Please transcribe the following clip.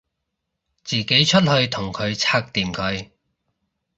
自己出去同佢拆掂佢